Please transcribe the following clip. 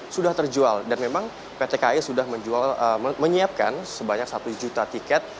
sudah terjual dan memang pt kai sudah menyiapkan sebanyak satu juta tiket